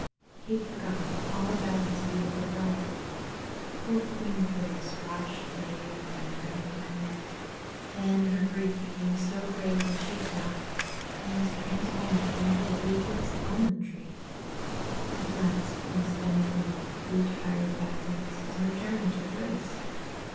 He had forgotten all about his beautiful bride. Poor Queen Phyllis watched day and night for him to come back. Then her grief became so great that she died, and was trans formed into a leafless Almond Tree. At last Prince Demophoon grew tired of Athens, and returned to Thrace.